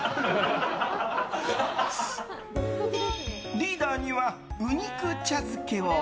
リーダーには、うにく茶漬けを。